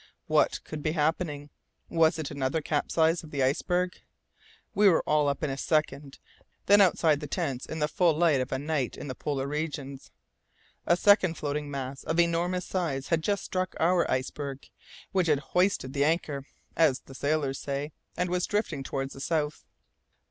What could be happening? Was it another capsize of the iceberg? We were all up in a second, then outside the tents in the full light of a night in the polar regions. A second floating mass of enormous size had just struck our iceberg, which had "hoisted the anchor" (as the sailors say) and was drifting towards the south.